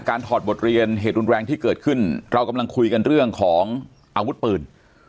ถอดบทเรียนเหตุรุนแรงที่เกิดขึ้นเรากำลังคุยกันเรื่องของอาวุธปืน